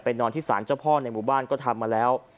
นอนที่สารเจ้าพ่อในหมู่บ้านก็ทำมาแล้ว